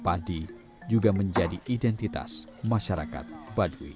padi juga menjadi identitas masyarakat baduy